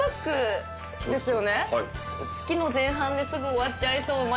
月の前半ですぐ終わっちゃいそう毎日食べて。